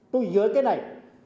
tôi dựa cái này